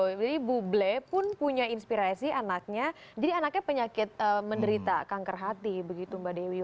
jadi bu ble pun punya inspirasi anaknya jadi anaknya penyakit menderita kanker hati begitu mbak dewi